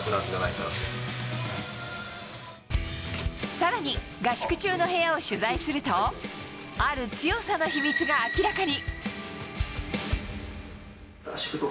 更に合宿中の部屋を取材するとある強さの秘密が明らかに。